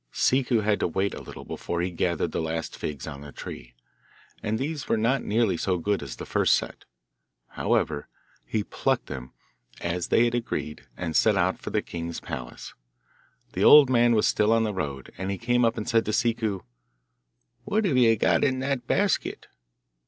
Ciccu had to wait a little before he gathered the last figs on the tree, and these were not nearly so good as the first set. However, he plucked them, as they had agreed, and set out for the king's palace. The old man was still on the road, and he came up and said to Ciccu, 'What have you got in that basket?